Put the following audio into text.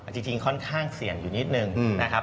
จริงค่อนข้างเสี่ยงอยู่นิดนึงนะครับ